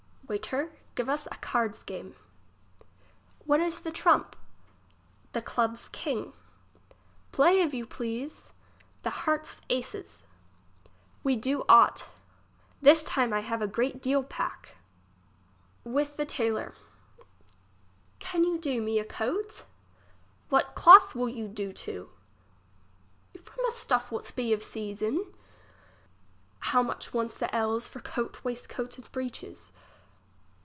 Waiter, give us a card's game. What is the trump ? The club's king. Play, if you please. The heart's aces. We do ought. This time I have a great deal pack. fFith the tailor. Can you do me a coat ? What cloth will you do to ? From a stuff what be of season. How much wants the ells for coat, waist coat, and breeches